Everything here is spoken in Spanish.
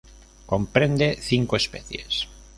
Comprende cinco especies.